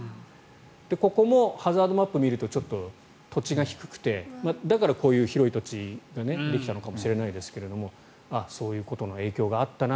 ここもハザードマップを見るとちょっと土地が低くてだからこういう広い土地ができたのかもしれませんがああ、そういうことの影響があったな